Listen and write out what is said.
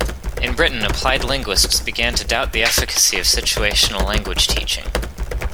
In Britain, applied linguists began to doubt the efficacy of situational language teaching.